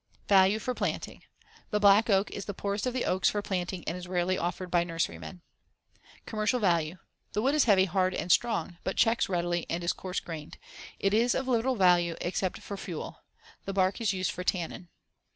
Value for planting: The black oak is the poorest of the oaks for planting and is rarely offered by nurserymen. Commercial value: The wood is heavy, hard and strong, but checks readily and is coarse grained. It is of little value except for fuel. The bark is used for tannin.